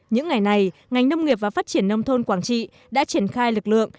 những ngày này ngành nông nghiệp và phát triển nông thôn quảng trị đã triển khai lực lượng